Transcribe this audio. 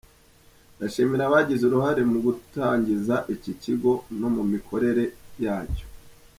Ndashimira abagize uruhare mu gutangiza iki kigo no mu mikorere yacyo.